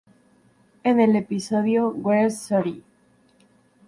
En el episodio "Where's Zuri?